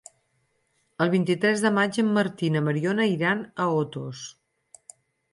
El vint-i-tres de maig en Martí i na Mariona aniran a Otos.